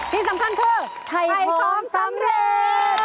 ที่สำคัญคือไข่ของสำเร็จ